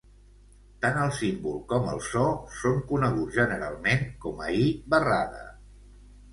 Tant el símbol com el só són coneguts generalment com a i barrada.